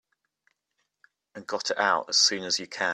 And got it out as soon as you can.